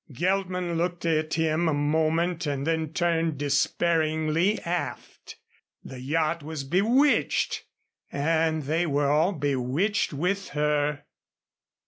Geltman looked at him a moment and then turned despairingly aft. The yacht was bewitched and they were all bewitched with her.